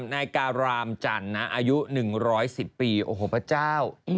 นายกรามจันอายุ๑๑๐ปีโอ้โฮพระเจ้า